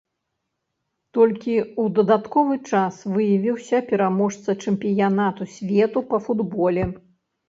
Толькі ў дадатковы час выявіўся пераможца чэмпіянату свету па футболе.